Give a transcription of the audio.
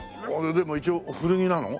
でも一応古着なの？